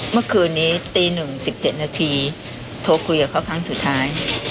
เมื่อคืนนี้ตี๑๑๗นาทีโทรคุยกับเขาครั้งสุดท้าย